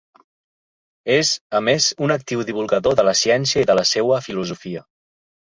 És, a més, un actiu divulgador de la ciència i de la seua filosofia.